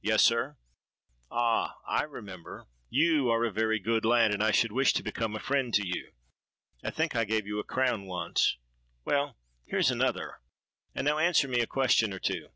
'—'Yes, sir.'—'Ah! I remember. You are a very good lad, and I should wish to become a friend to you. I think I gave you a crown once: well, here's another. And now answer me a question or two.